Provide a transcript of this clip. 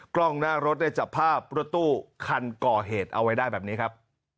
กล้องหน้ารถได้จับภาพรถตู้คันก่อเหตุเอาไว้ได้แบบนี้ครับ